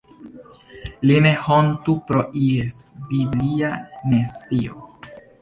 Li ne hontu pro ies biblia nescio.